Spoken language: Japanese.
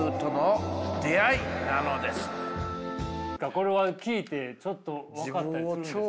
これは聞いてちょっと分かったりするんですか。